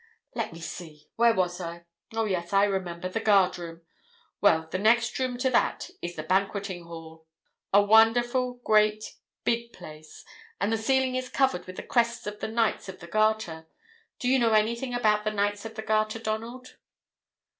"Let me see! Where was I? Oh, yes, I remember the Guard Room. Well, the next room to that is the Banqueting all, a wonderful, great, big place, and the ceiling is covered with the crests of the Knights of the Garter. Do you know anything about the Knights of the Garter, Donald?"